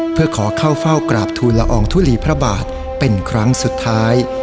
เพื่อขอเข้าเฝ้ากราบทูลละอองทุลีพระบาทเป็นครั้งสุดท้าย